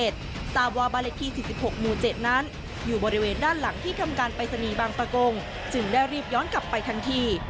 ทราบว่าบริธี๔๖หมู่๗นั้นอยู่บริเวณด้านหลังที่ทำการไปสนีบางประกง